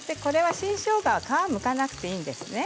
新しょうがは皮をむかなくていいんですね。